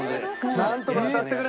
なんとか当たってくれ！